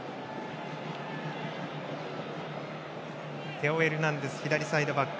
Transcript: テオ・エルナンデス左サイドバック。